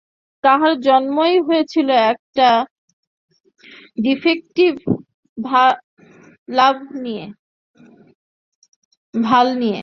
তার জন্মই হয়েছিল একটা ডিফেকটিভ ভাল্ব নিয়ে।